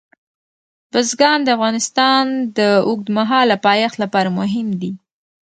بزګان د افغانستان د اوږدمهاله پایښت لپاره مهم دي.